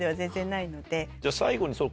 じゃあ最後に。